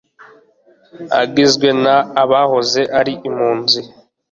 agizwe n abahoze ari impunzi